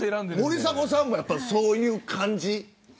森迫さんもそういう感じ。